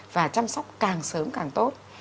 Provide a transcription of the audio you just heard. và chăm sóc càng sớm càng tốt